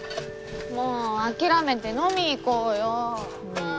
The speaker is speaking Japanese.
もう諦めて飲みに行こうよ。